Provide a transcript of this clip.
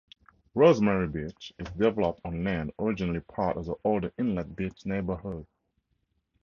Rosemary Beach is developed on land originally part of the older Inlet Beach neighborhood.